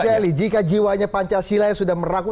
bang celik jika jiwanya pancasila yang sudah meraku